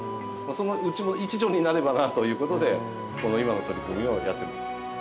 そのうちも一助になればなということでこの今の取り組みをやってます。